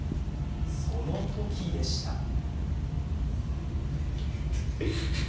そのときでした。